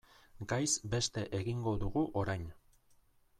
Gaiz beste egingo dugu orain.